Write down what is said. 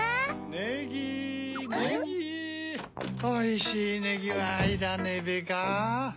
・ネギーネギー・おいしいネギはいらねべかぁ。